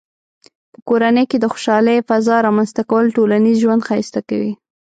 په کورنۍ کې د خوشحالۍ فضاء رامنځته کول ټولنیز ژوند ښایسته کوي.